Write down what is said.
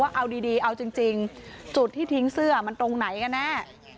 เอาดีเอาจริงจุดที่ทิ้งเสื้อมันตรงไหนกันแน่